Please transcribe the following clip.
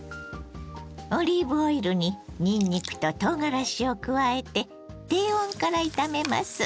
オリーブオイルににんにくととうがらしを加えて低温から炒めます。